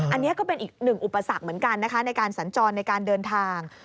อันนี้ก็เป็นอีกหนึ่งอุปสรรคเหมือนกันนะคะในการสัญจรในการเดินทาง